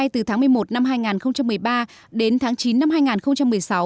được triển khai từ tháng một mươi một năm hai nghìn một mươi ba đến tháng chín năm hai nghìn một mươi sáu